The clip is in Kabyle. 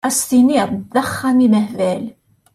Ad s-tiniḍ d axxam imehbal!